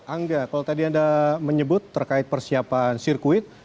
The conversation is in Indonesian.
angga kalau tadi anda menyebut terkait persiapan sirkuit